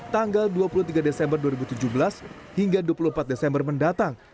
tanggal dua puluh tiga desember dua ribu tujuh belas hingga dua puluh empat desember mendatang